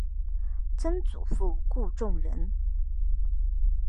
曾祖父顾仲仁。